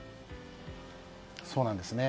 そうなんです。